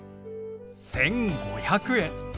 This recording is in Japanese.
１５００円。